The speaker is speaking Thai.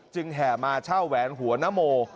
แห่มาเช่าแหวนหัวนโม